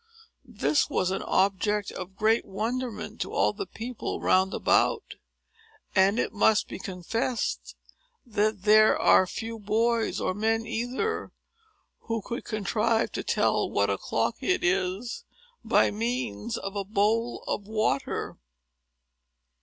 This was an object of great wonderment to all the people roundabout; and it must be confessed that there are few boys, or men either, who could contrive to tell what o'clock it is, by means of a bowl of water.